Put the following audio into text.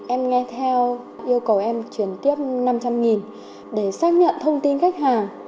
em nghe theo yêu cầu em chuyển tiếp năm trăm linh để xác nhận thông tin khách hàng